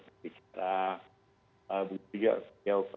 mungkin itu berhubungan dengan buya udhaya